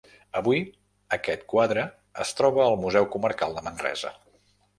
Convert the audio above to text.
Avui, aquest quadre es troba al Museu Comarcal de Manresa.